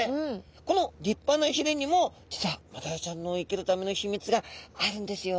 この立派なひれにも実はマダイちゃんの生きるための秘密があるんですよ。